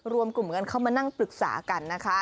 รวมกลุ่มกันเข้ามานั่งปรึกษากันนะคะ